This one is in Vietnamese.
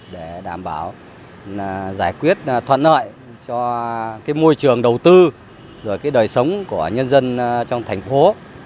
để đảm bảo giải quyết thuận lợi cho môi trường đầu tư rồi cái đời sống của nhân dân trong thành phố